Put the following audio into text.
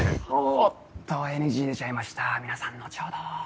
おっとＮＧ出ちゃいました皆さん後ほど。